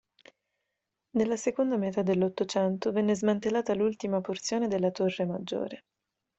Nella seconda metà dell'Ottocento venne smantellata l'ultima porzione della torre maggiore.